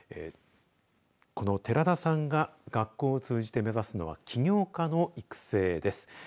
この寺田さんが学校を通じて目指すのは起業家の育成です。